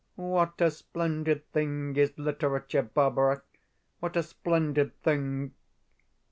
What a splendid thing is literature, Barbara what a splendid thing!